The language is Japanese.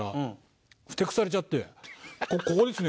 「ここですね」